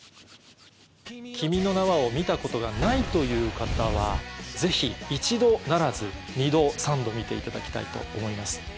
『君の名は。』を見たことがないという方はぜひ１度ならず２度３度見ていただきたいと思います。